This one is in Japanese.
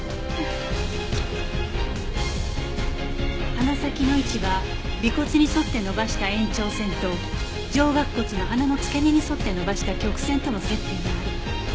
鼻先の位置は鼻骨に沿って延ばした延長線と上顎骨の鼻の付け根に沿って延ばした曲線との接点にある。